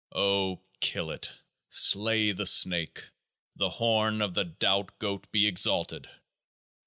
O kill it ! Slay the snake ! The horn of the Doubt Goat be exalted